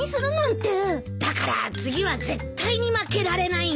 だから次は絶対に負けられないんだ。